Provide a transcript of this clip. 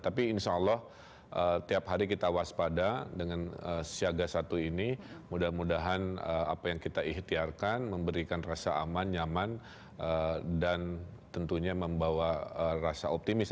tapi insya allah tiap hari kita waspada dengan siaga satu ini mudah mudahan apa yang kita ikhtiarkan memberikan rasa aman nyaman dan tentunya membawa rasa optimis